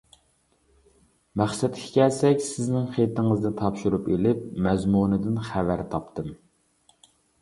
مەقسەتكە كەلسەك، سىزنىڭ خېتىڭىزنى تاپشۇرۇپ ئېلىپ مەزمۇنىدىن خەۋەر تاپتىم.